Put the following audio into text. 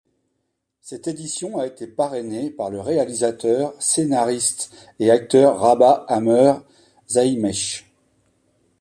Cette édition a été parrainée par le réalisateur, scénariste et acteur Rabah Ameur Zaïmèche.